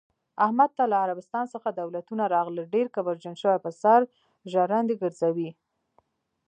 احمد ته له عربستان څخه دولتونه راغلل، ډېر کبرجن شوی، په سر ژرندې ګرځوی.